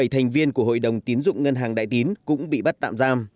bảy thành viên của hội đồng tiến dụng ngân hàng đại tín cũng bị bắt tạm giam